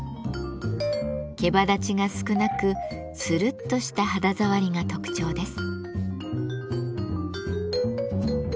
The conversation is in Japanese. けばだちが少なくツルッとした肌触りが特徴です。